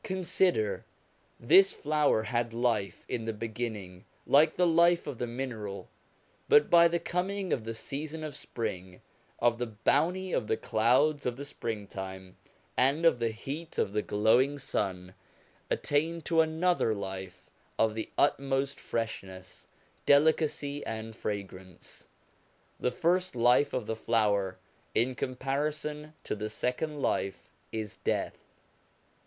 Consider: this flower had life in the beginning like the life of the mineral; but by the coming of the season of spring, of the bounty of the clouds of the springtime, and of the heat of the glowing sun, it attained to another life of the utmost freshness, delicacy, and fragrance. The first life of the flower, in comparison to the second life, is death.